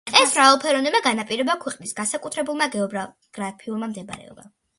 ეს მრავალფეროვნება განაპირობა ქვეყნის განსაკუთრებულმა გეოგრაფიულმა მდებარეობამ.